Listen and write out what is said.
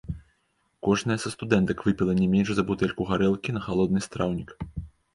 Кожная са студэнтак выпіла не менш за бутэльку гарэлкі на галодны страўнік.